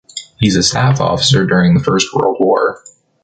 He’s a staff officer during the First World War.